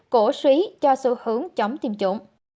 cổ suý cho sự hướng chống tiêm chủng